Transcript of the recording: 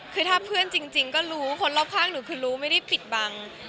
คือถ้าเพื่อนจริงก็รู้คนรอบข้างหนูคือรู้ไม่ได้ปิดบัง